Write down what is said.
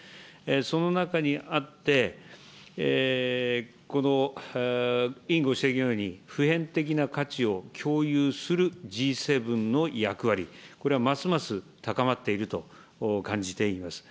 その中にあって、この委員ご指摘のように、普遍的な価値を共有するＧ７の役割、これはますます高まっていると感じています。